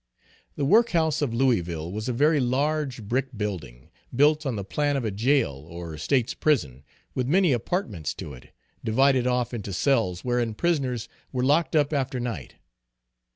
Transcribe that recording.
The work house of Louisville was a very large brick building, built on the plan of a jail or State's prison, with many apartments to it, divided off into cells wherein prisoners were locked up after night.